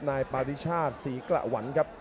นายปาริชาติศรีกระหวันครับ